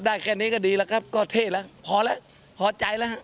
แค่นี้ก็ดีแล้วครับก็เท่แล้วพอแล้วพอใจแล้วฮะ